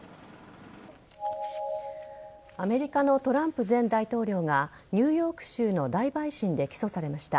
アメリカのトランプ前大統領がニューヨーク州の大陪審で起訴されました。